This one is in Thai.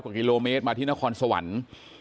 กว่ากิโลเมตรมาที่นครสวรรค์